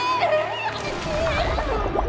やめて！